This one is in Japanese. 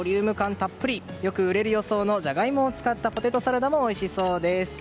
よく売れるジャガイモを使ったポテトサラダもおいしそうです。